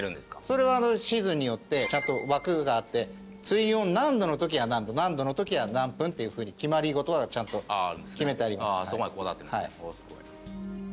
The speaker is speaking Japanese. それはシーズンによってちゃんと枠があって水温何度の時は何度何度の時は何分っていうふうに決まり事はちゃんと決めてあります。